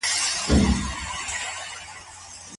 په کار کې دوام بريا راولي